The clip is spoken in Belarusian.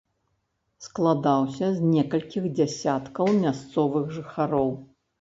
Складаўся з некалькіх дзясяткаў мясцовых жыхароў.